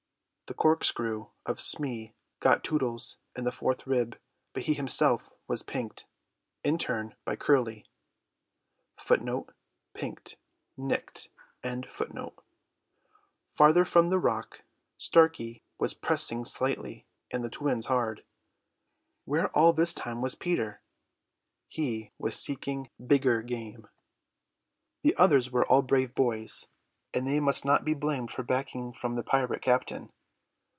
The corkscrew of Smee got Tootles in the fourth rib, but he was himself pinked in turn by Curly. Farther from the rock Starkey was pressing Slightly and the twins hard. Where all this time was Peter? He was seeking bigger game. The others were all brave boys, and they must not be blamed for backing from the pirate captain.